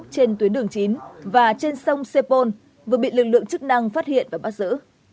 trên tuyến đường chín và trên sông sepol vừa bị lực lượng chức năng phát hiện và bắt giữ